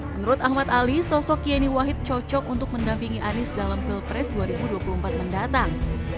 menurut ahmad ali sosok yeni wahid cocok untuk mendampingi anies dalam pilpres dua ribu dua puluh empat mendatang